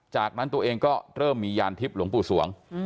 จากนั้นตัวเองก็เริ่มมียานทิพย์หลวงปู่สวง